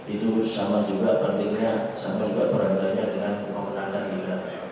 itu sama juga pentingnya sama juga peradukannya dengan memenangkan liga